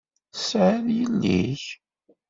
Tesεiḍ yelli-k?